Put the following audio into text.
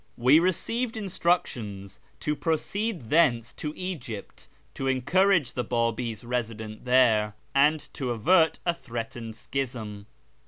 We received instructions to proceed thence to Egypt to encourage the Babis resident there, and to avert a threatened schism.